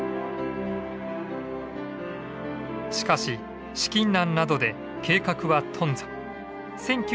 しかし資金難などで計画は頓挫。